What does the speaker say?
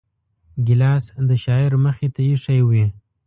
ګیلاس د شاعر مخې ته ایښی وي.